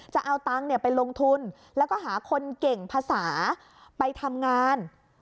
จะเอาตังค์ไปลงทุนแล้วก็หาคนเก่งภาษาไปทำงาน